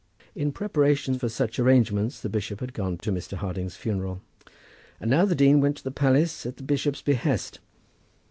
In preparation for such arrangements the bishop had gone to Mr. Harding's funeral. And now the dean went to the palace at the bishop's behest.